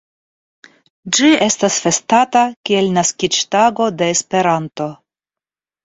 Ĝi estas festata kiel naskiĝtago de Esperanto.